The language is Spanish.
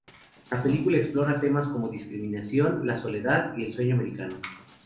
La película explora temas como la discriminación, la soledad y el sueño americano.